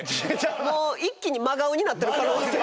もう一気に真顔になってる可能性が。